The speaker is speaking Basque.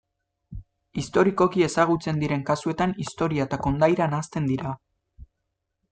Historikoki ezagutzen diren kasuetan historia eta kondaira nahasten dira.